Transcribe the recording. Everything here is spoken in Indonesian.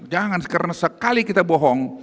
jangan karena sekali kita bohong